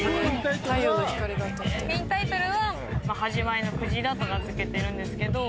作品タイトルは「はじまりのくじら」と名付けてるんですけど。